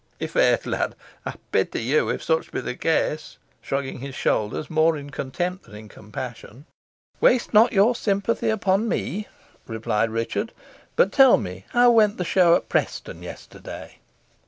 "I' faith, lad, I pity you, if such be the case," shrugging his shoulders, more in contempt than compassion. "Waste not your sympathy upon me," replied Richard; "but, tell me, how went the show at Preston yesterday?"